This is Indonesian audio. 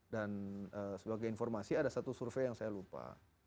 dan sebagai informasi ada satu survei yang saya lupa